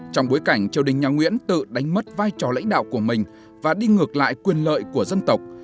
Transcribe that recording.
trong bối cảnh triều đình nhà nguyễn tự đánh mất vai trò lãnh đạo của mình và đi ngược lại quyền lợi của dân tộc